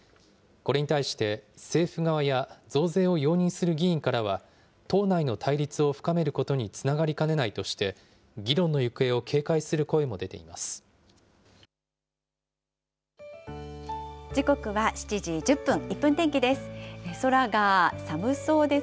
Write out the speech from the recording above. これに対して、政府側や増税を容認する議員からは、党内の対立を深めることにつながりかねないとして、議論の行方を警戒する声も出ています。